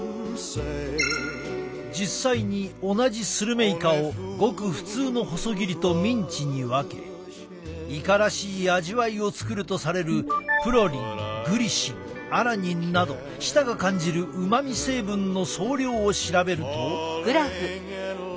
実際に同じスルメイカをごく普通の細切りとミンチに分けイカらしい味わいを作るとされるプロリングリシンアラニンなど舌が感じるうまみ成分の総量を調べると。